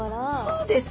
そうです。